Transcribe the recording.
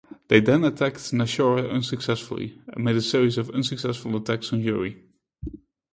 They then attacked Naoshera unsuccessfully, and made a series of unsuccessful attacks on Uri.